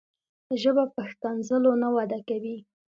ژبه په ښکنځلو نه وده کوي.